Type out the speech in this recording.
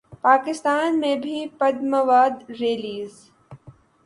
پاکستان میں بھی پدماوت ریلیز